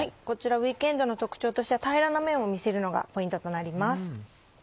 こちらウイークエンドの特徴としては平らな面を見せるのがポイントとなります。